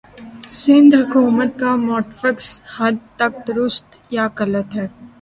سندھ حکومت کا موقفکس حد تک درست یا غلط ہے